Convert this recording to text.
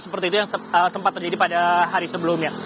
seperti itu yang sempat terjadi pada hari sebelumnya